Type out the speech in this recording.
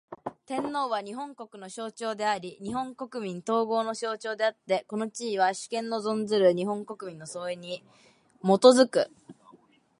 天皇は、日本国の象徴であり日本国民統合の象徴であつて、この地位は、主権の存する日本国民の総意に基く。